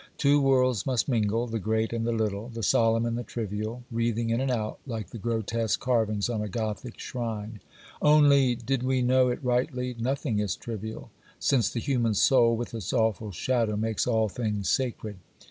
Two worlds must mingle,—the great and the little, the solemn and the trivial, wreathing in and out, like the grotesque carvings on a Gothic shrine;—only, did we know it rightly, nothing is trivial; since the human soul, with its awful shadow, makes all things sacred.